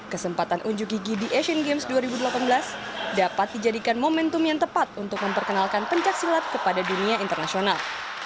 kesempatan unjuk gigi di asian games dua ribu delapan belas dapat dijadikan momentum yang tepat untuk memperkenalkan pencaksilat kepada dunia internasional